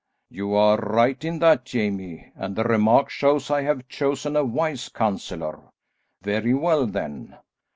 "You are right in that, Jamie, and the remark shows I have chosen a wise counsellor. Very well, then.